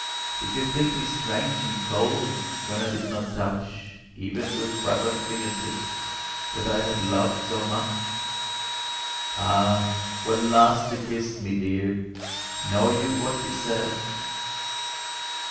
Did you think me strange and cold When I did not touch, Even with reverent finger tips, What I had loved so much ? Ah ! when last you kissed me, dear, Know you what you said